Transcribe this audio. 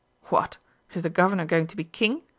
"What is the Gov'nor going to be King?"